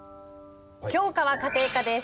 教科は家庭科です。